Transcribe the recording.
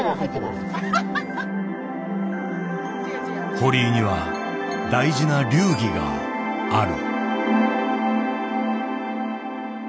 堀井には大事な流儀がある。